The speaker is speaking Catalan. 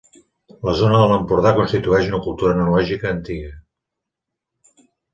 La zona de l'Empordà constitueix una cultura enològica antiga.